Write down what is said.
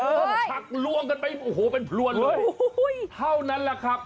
ผักลวงกันไปโอ้โหเป็นพลวนเลยเท่านั้นแหละครับ